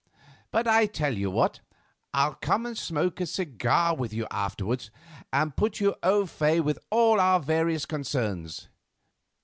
But I tell you what, I'll come and smoke a cigar with you afterwards, and put you au fait with all our various concerns.